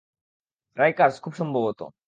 Rikers, খুব সম্ভবত।